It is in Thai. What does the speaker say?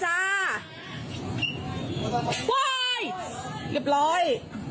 โฮยวะเลย